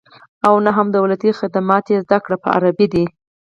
او نه هم دولتي خدمات یې زده کړې په عربي دي